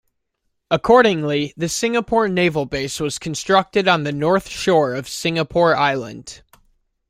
Accordingly, the Singapore Naval Base was constructed on the north shore of Singapore Island.